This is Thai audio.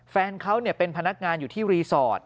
แฟนเขาเป็นพนักงานอยู่ที่รีสอร์ท